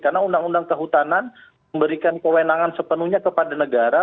karena undang undang kehutanan memberikan kewenangan sepenuhnya kepada negara